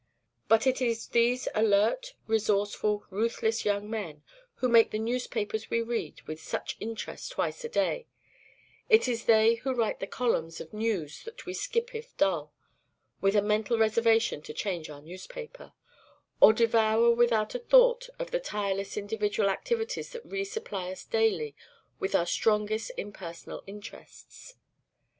But it is these alert, resourceful, ruthless young men who make the newspapers we read with such interest twice a day; it is they who write the columns of "news" that we skip if dull (with a mental reservation to change our newspaper), or devour without a thought of the tireless individual activities that re supply us daily with our strongest impersonal interests.